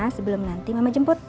sebelum nanti mama jemput